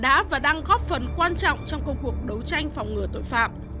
đã và đang góp phần quan trọng trong công cuộc đấu tranh phòng ngừa tội phạm